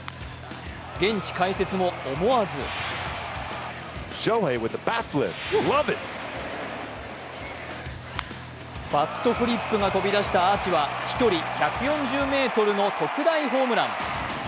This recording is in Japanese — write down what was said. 現地解説も思わずバットフリップが飛び出したアーチは飛距離１４０ｍの特大ホームラン。